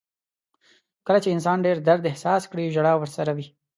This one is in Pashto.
• کله چې انسان ډېر درد احساس کړي، ژړا ورسره وي.